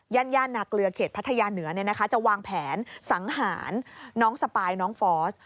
ย่านนาเกลือเขตพัทยาเหนือจะวางแผนสังหารน้องสปายน้องฟอส